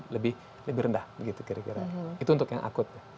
jadi lebih rendah gitu kira kira itu untuk yang akut